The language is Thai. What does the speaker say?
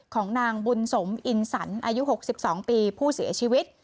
ของนางบุญสมอินสันอายุ๖๒ปีผู้เสียชีวิต